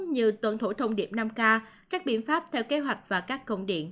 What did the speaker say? như tuân thủ thông điệp năm k các biện pháp theo kế hoạch và các công điện